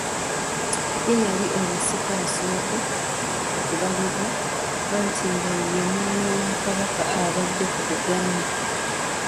Ye yali omusika asooka okubalibwa, anti nga ye mwana wa Kabaka abadde ku Buganda.